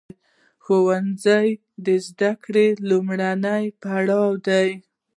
ښوونځی د زده کړو لومړی پړاو دی.